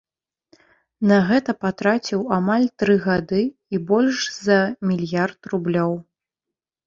На гэта патраціў амаль тры гады і больш за мільярд рублёў.